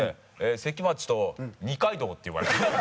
関町と二階堂って言われて。